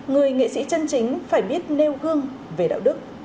người nghệ sĩ chân chính phải biết nêu gương về đạo đức